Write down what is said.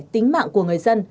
tính mạng của người dân